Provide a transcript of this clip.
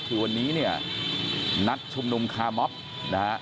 คือวันนี้เนี่ยนัดชุมนุมคาร์มอบนะฮะ